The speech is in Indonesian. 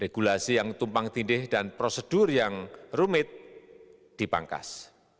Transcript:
regulasi yang tumpang tindih dan prosedur yang rumit dipangkas